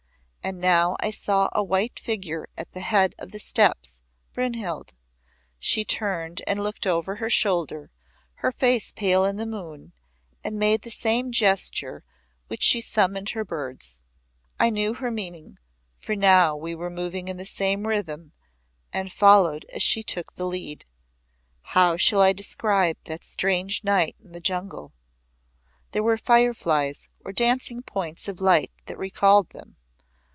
And now I saw a white figure at the head of the steps Brynhild. She turned and looked over her shoulder, her face pale in the moon, and made the same gesture with which she summoned her birds. I knew her meaning, for now we were moving in the same rhythm, and followed as she took the lead. How shall I describe that strange night in the jungle. There were fire flies or dancing points of light that recalled them.